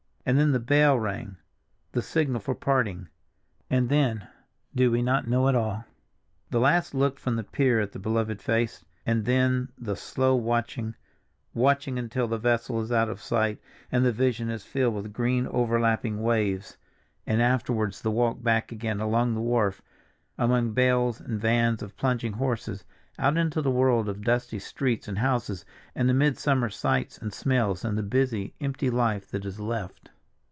And then the bell rang—the signal for parting—and then—do we not know it all? The last look from the pier at the beloved face, and then the slow watching, watching until the vessel is out of sight and the vision is filled with green overlapping waves, and afterwards the walk back again along the wharf, among bales and vans of plunging horses, out into the world of dusty streets and houses, and the midsummer sights and smells, and the busy, empty life that is left.